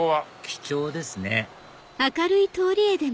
貴重ですね